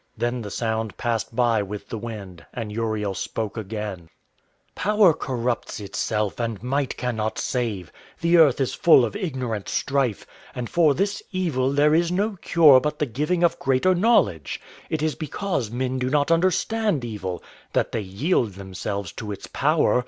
Then the sound passed by with the wind, and Uriel spoke again: "Power corrupts itself, and might cannot save. The Earth is full of ignorant strife, and for this evil there is no cure but by the giving of greater knowledge. It is because men do not understand evil that they yield themselves to its power.